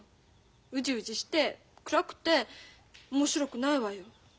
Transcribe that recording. うじうじして暗くて面白くないわよ。